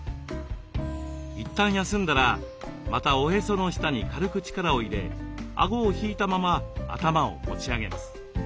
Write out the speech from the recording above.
一旦休んだらまたおへその下に軽く力を入れあごを引いたまま頭を持ち上げます。